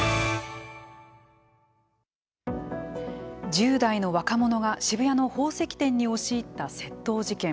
１０代の若者が渋谷の宝石店に押し入った窃盗事件。